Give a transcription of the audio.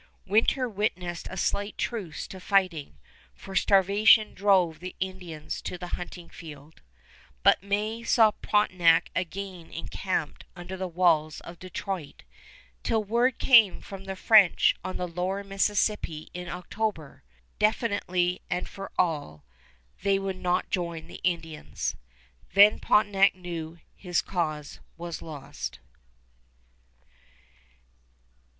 Winter witnessed a slight truce to fighting, for starvation drove the Indians to the hunting field; but May saw Pontiac again encamped under the walls of Detroit till word came from the French on the lower Mississippi in October, definitely and for all, they would not join the Indians. Then Pontiac knew his cause was lost.